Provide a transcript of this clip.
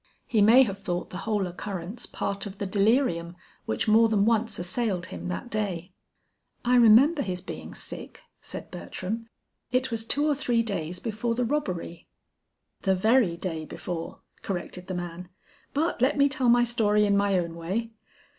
He may have thought the whole occurrence part of the delirium which more than once assailed him that day." "I remember his being sick," said Bertram; "it was two or three days before the robbery." "The very day before," corrected the man; "but let me tell my story in my own way.